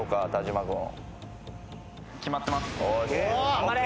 頑張れ！